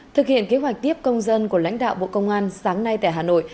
thực hiện kế hoạch tiếp công dân của lãnh đạo bộ công an sáng nay tại hà nội